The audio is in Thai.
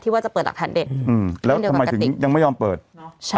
ว่าจะเปิดหลักฐานเด็ดอืมแล้วทำไมถึงยังไม่ยอมเปิดเนอะใช่